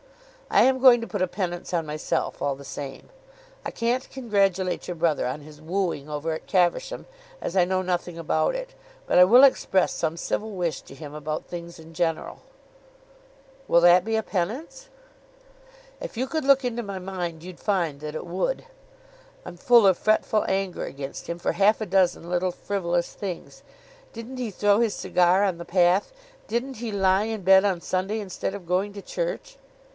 "I am going to put a penance on myself all the same. I can't congratulate your brother on his wooing over at Caversham, as I know nothing about it, but I will express some civil wish to him about things in general." "Will that be a penance?" "If you could look into my mind you'd find that it would. I'm full of fretful anger against him for half a dozen little frivolous things. Didn't he throw his cigar on the path? Didn't he lie in bed on Sunday instead of going to church?"